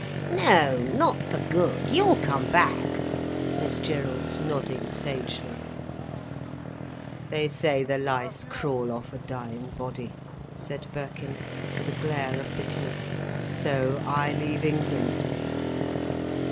"No, not for good. You'll come back," said Gerald, nodding sagely. "They say the lice crawl off a dying body," said Birkin, with a glare of bitterness. "So I leave England."